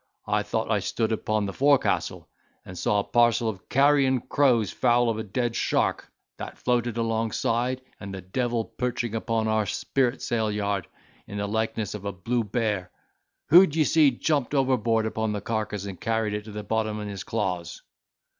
I thought I stood upon the forecastle, and saw a parcel of carrion crows foul of a dead shark: that floated alongside, and the devil perching upon our spritsail yard, in the likeness of a blue bear—who, d'ye see jumped overboard upon the carcass and carried it to the bottom in his claws."